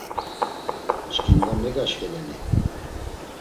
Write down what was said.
Çkinda megaşveleni?